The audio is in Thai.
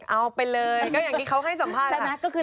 เอาไปเลยก็อย่างนี้เขาให้สัมภาษณ์